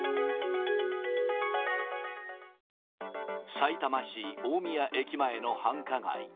さいたま市大宮駅前の繁華街。